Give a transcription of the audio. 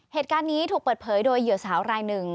เหตุการณ์นี้ถูกเปิดเผยโดยเหยื่อสาวรายหนึ่ง